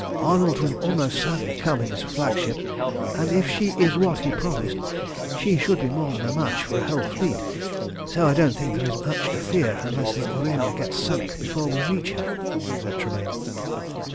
"Arnold will almost certainly come in his flagship, and if she is what he promised, she should be more than a match for a whole fleet, so I don't think there is much to fear unless the Aurania gets sunk before we reach her," said Tremayne.